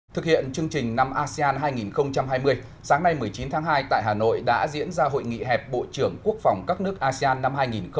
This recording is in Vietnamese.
thực hiện chương trình năm asean hai nghìn hai mươi sáng nay một mươi chín tháng hai tại hà nội đã diễn ra hội nghị hẹp bộ trưởng quốc phòng các nước asean năm hai nghìn hai mươi